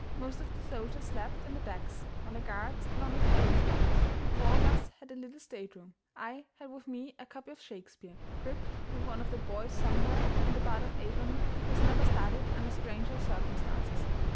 Most of the soldiers slept on the decks, on the guards, and on the cabin floors. Four of us had a little stateroom. I had with me a copy of Shakespeare, cribbed by one of the boys somewhere, and the Bard of Avon was never studied under stranger circumstances.